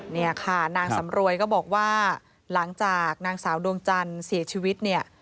เนี่ยค่ะนางสำรวยก็บอกว่าหลังจากนางสาวดวงจันทร์เสียชีวิตเนี่ย